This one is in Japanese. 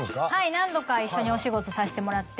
何度か一緒にお仕事させてもらって。